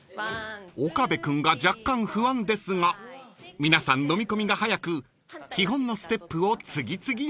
［岡部君が若干不安ですが皆さんのみ込みが早く基本のステップを次々マスター］